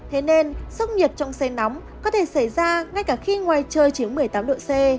thế nên sốc nhiệt trong say nóng có thể xảy ra ngay cả khi ngoài chơi chiếm một mươi tám độ c